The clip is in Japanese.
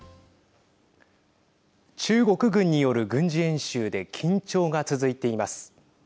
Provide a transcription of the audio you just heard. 中国軍による軍事演習で緊張が続いています。